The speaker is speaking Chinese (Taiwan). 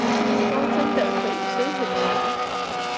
貓真的可以伸很長